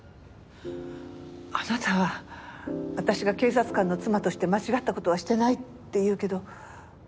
あなたは私が警察官の妻として間違った事はしてないって言うけど。